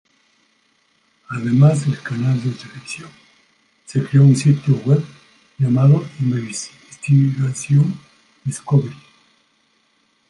Además del canal de televisión, se creó un sitio web llamado Investigation Discovery.